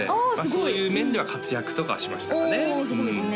そういう面では活躍とかはしましたかねおすごいですね